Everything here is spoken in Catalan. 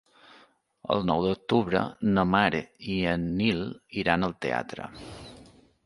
El nou d'octubre na Mar i en Nil iran al teatre.